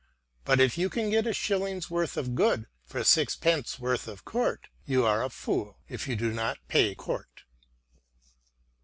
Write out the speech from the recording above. But if you can get a shilling's worth of good for sixpence worth of court, you are a fool if you do not pay court."